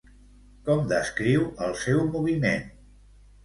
Com descriu el seu moviment?